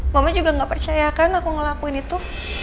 mama juga nggak percaya kan aku ngelakuin itu